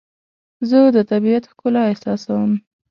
زه د طبیعت ښکلا احساسوم.